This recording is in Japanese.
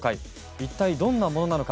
一体、どんなものなのか。